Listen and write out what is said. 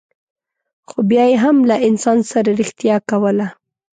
خو بیا یې هم له انسان سره رښتیا کوله.